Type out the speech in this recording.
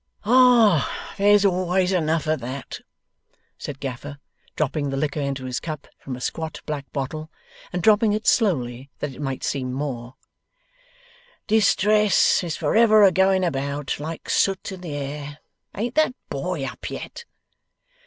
'Ah! there's always enough of that,' said Gaffer, dropping the liquor into his cup from a squat black bottle, and dropping it slowly that it might seem more; 'distress is for ever a going about, like sut in the air Ain't that boy up yet?